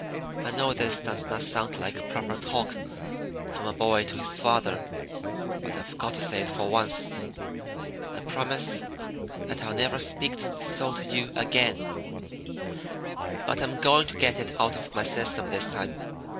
"I know this does not sound like proper talk from a boy to his father; but I've got to say it for once. I promise that I'll never speak so to you again, but I'm going to get it out of my system this time.